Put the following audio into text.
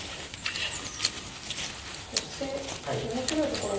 そしてちょっと面白いところに。